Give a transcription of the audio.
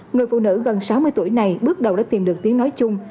người phụ nữ gần sáu mươi tuổi này bước đầu đã tìm được tiếng nói chung